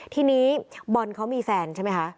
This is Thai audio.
ทีนี้บอลเขามีแฟนใช่ไหมคะ